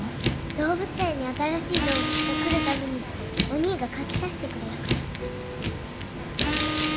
動物園に新しい動物が来る度におにぃが描き足してくれるから。